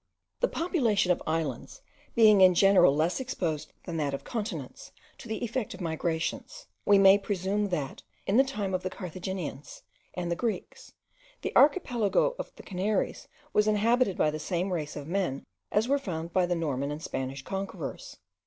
The population of islands being in general less exposed than that of continents to the effect of migrations, we may presume that, in the time of the Carthaginians and the Greeks, the archipelago of the Canaries was inhabited by the same race of men as were found by the Norman and Spanish conquerors.